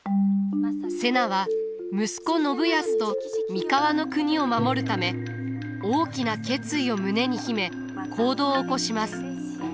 瀬名は息子信康と三河国を守るため大きな決意を胸に秘め行動を起こします。